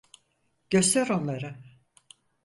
Göster onlara!